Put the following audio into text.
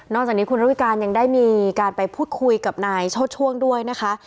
จากนี้คุณระวิการยังได้มีการไปพูดคุยกับนายโชชช่วงด้วยนะคะ